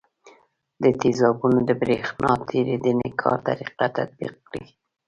د تیزابونو د برېښنا تیریدنې کار طریقه تطبیق کړئ.